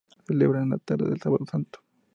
Se celebra en la tarde del Sábado Santo.